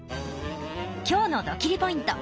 今日のドキリ★ポイント。